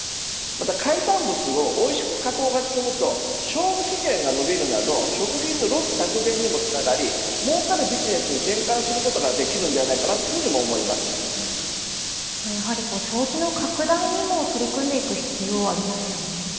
また海産物をおいしく加工が進むと賞味期限が延びるなど食品のロス削減にもつながりもうかるビジネスに転換することができるんではないかなやはり消費の拡大にも取り組んでいく必要がありますよね。